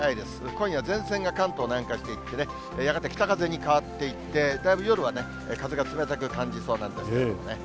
今夜、前線が関東南下していってね、やがて北風に変わっていって、だいぶ夜はね、風が冷たく感じそうなんですけどもね。